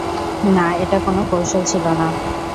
না, এটা কোন কৌশল ছিল না।